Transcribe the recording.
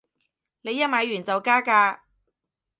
你一買完就加價